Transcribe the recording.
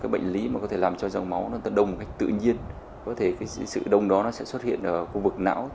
bệnh lý có thể làm cho dòng máu đông tự nhiên có thể sự đông đó sẽ xuất hiện ở khu vực não